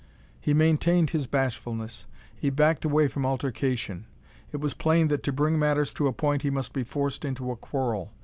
He maintained his bashfulness. He backed away from altercation. It was plain that to bring matters to a point he must be forced into a quarrel.